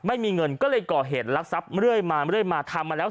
ไม่มีเงินก็เลยก่อเหตุลักษัพเรื่อยมาเรื่อยมาทำมาแล้ว